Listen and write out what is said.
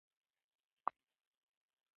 په چټکو ګامونو مې خپله لاره څارله.